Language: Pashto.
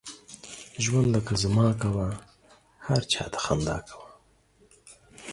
ژوند لکه زما کوه، هر چاته خندا کوه.